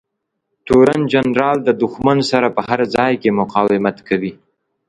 تورن جنرال د دښمن سره په هر ځای کې مقاومت کوي.